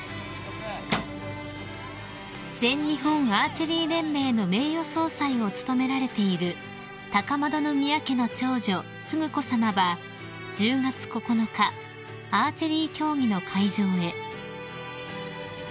［全日本アーチェリー連盟の名誉総裁を務められている高円宮家の長女承子さまは１０月９日アーチェリー競技の会場へ］